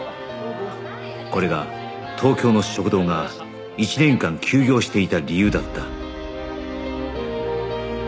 これが東京の食堂が１年間休業していた理由だった